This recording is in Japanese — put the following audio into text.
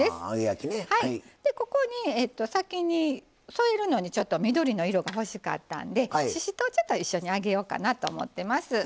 ここに先に添えるのにちょっと緑の色が欲しかったんでししとうをちょっと一緒に揚げようかなと思ってます。